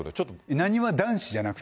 なにわ男子じゃなくて？